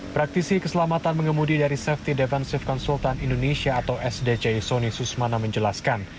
praktisi keselamatan pengemudi dari safety defensive consultant indonesia atau sdc soni susmana menjelaskan